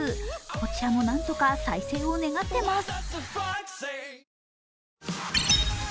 こちらもなんとか再生を願ってます。